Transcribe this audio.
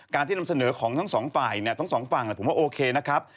ที่นำเสนอของทั้งสองฝ่ายเนี่ยทั้งสองฝั่งผมว่าโอเคนะครับ